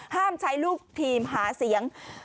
ห้ามใช้ลูกทีมหาเสียง